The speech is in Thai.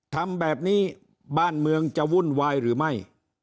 ทำแบบนี้บ้านเมืองจะวุ่นวายหรือไม่